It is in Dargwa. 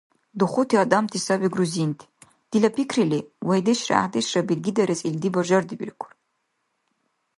Духути адамти саби грузинти. Дила пикрили, вайдешра гӏяхӏдешра белгидарес илди бажардибиркур.